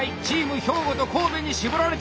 兵庫と神戸に絞られた！